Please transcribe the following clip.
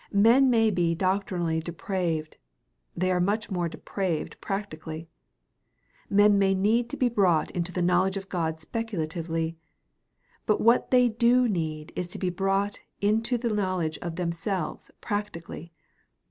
Men may be doctrinally depraved; they are much more depraved practically. Men may need to be brought into the knowledge of God speculatively; but what they do need is to be brought into the knowledge of themselves practically.